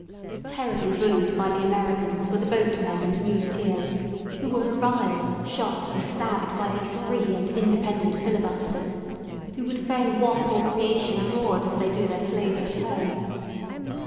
Terribly bullied by the Americans were the boatmen and muleteers, who were reviled, shot, and stabbed by these free and independent filibusters, who would fain whop all creation abroad as they do their slaves at home.